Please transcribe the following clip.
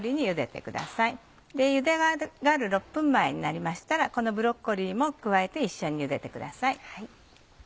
茹で上がる６分前になりましたらこのブロッコリーも加えて一緒に茹でてください。